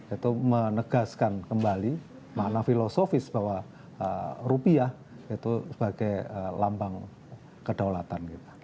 itu menegaskan kembali makna filosofis bahwa rupiah itu sebagai lambang kedaulatan kita